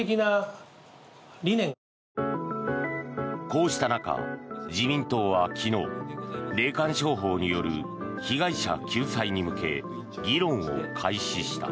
こうした中、自民党は昨日霊感商法による被害者救済に向け議論を開始した。